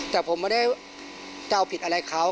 แต่ผมไม่ได้จะเอาผิดอะไรเขา